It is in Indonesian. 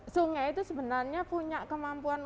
sungai itu sebenarnya punya kemampuan